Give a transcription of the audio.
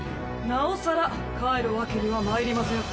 なおさら帰るわけにはまいりません。